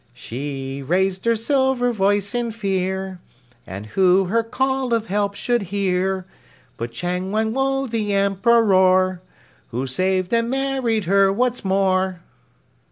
She raised her silver voice in fear And who her call of help should hear But Chang Wang Woe, the Emperor, Who saved and married her, what's more!